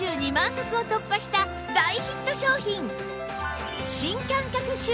足を突破した大ヒット商品